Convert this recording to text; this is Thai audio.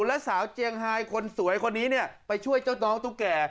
แล้วสาวเจียงไฮคนสวยคนนี้เนี่ยไปช่วยเจ้าน้องตุ๊กแก่